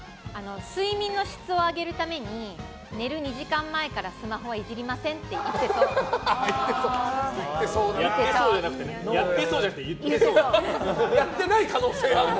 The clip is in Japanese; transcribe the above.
睡眠の質を上げるために寝る２時間前からスマホはいじりませんってやってそうじゃなくてやってない可能性もあると。